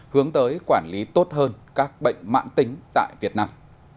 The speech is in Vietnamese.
hướng tới quản lý tốt hơn các bệnh mãn tính tại việt nam